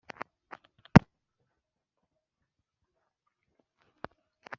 umucamanza Ibyo ntibishaka kuvuga ko ushyigikiye ingeso